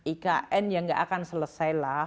ikn yang gak akan selesailah